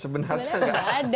sebenarnya nggak ada